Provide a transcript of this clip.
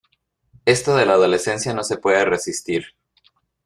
Esto de la adolescencia no se puede resistir.